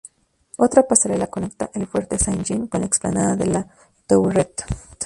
Otra pasarela conecta el Fuerte Saint-Jean con la Explanada de la Tourette.